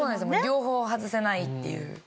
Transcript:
両方外せないっていう。